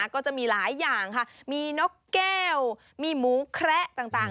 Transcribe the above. ก็จะมีหลายอย่างค่ะมีนกแก้วมีหมูแคระต่าง